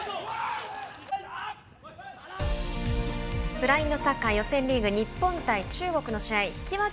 ブラインドサッカー予選リーグ、日本対中国の試合引き分け